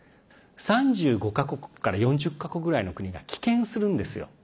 ３５か国から４０か国ぐらいの国が棄権するんですよ。